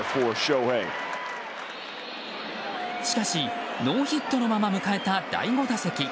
しかし、ノーヒットのまま迎えた第５打席。